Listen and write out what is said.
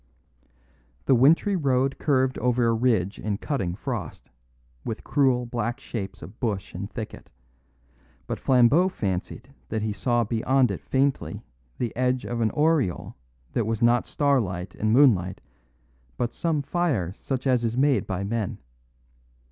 The wintry road curved over a ridge in cutting frost, with cruel black shapes of bush and thicket; but Flambeau fancied that he saw beyond it faintly the edge of an aureole that was not starlight and moonlight, but some fire such as is made by men.